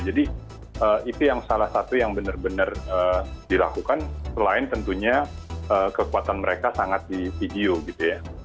jadi itu yang salah satu yang benar benar dilakukan selain tentunya kekuatan mereka sangat di video gitu ya